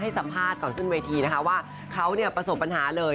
สัมภาษณ์ก่อนขึ้นเวทีนะคะว่าเขาเนี่ยประสบปัญหาเลย